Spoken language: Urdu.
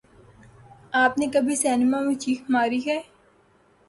آپ نے کبھی سنیما میں چیخ ماری ہے